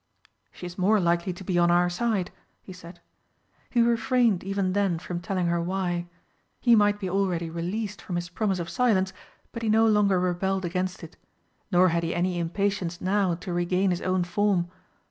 "She is more likely to be on our side," he said. He refrained, even then, from telling her why; he might be already released from his promise of silence, but he no longer rebelled against it, nor had he any impatience now to regain his own form.